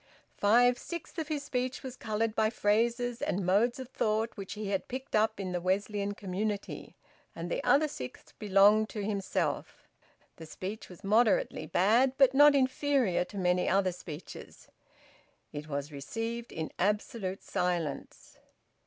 Five sixths of his speech was coloured by phrases and modes of thought which he had picked up in the Wesleyan community, and the other sixth belonged to himself. The speech was moderately bad, but not inferior to many other speeches. It was received in absolute silence.